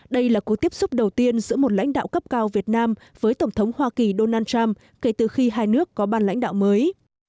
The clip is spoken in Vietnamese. đây là cuộc tiếp xúc đầu tiên giữa một lãnh đạo cấp cao việt nam với tổng thống hoa kỳ donald trump kể từ khi hai nước có ban lãnh đạo mới